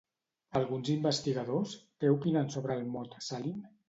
Alguns investigadors, què opinen sobre el mot Šalim?